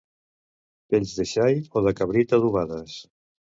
Pells de xai o de cabrit adobades.